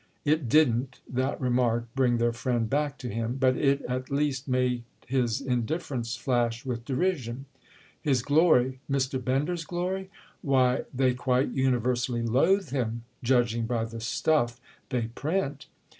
It didn't, that remark, bring their friend back to him, but it at least made his indifference flash with derision. "His 'glory'—Mr. Bender's glory? Why, they quite universally loathe him—judging by the stuff they print!"